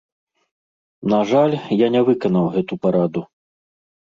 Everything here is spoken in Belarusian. На жаль, я не выканаў гэту параду.